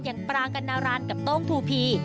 อย่างปรางกันนารันกับโต้งทูพี